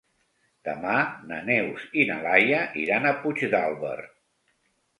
Demà na Neus i na Laia iran a Puigdàlber.